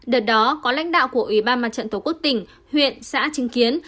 đợt đó có lãnh đạo của ủy ban mặt trận tổ quốc tỉnh huyện xã trinh kiến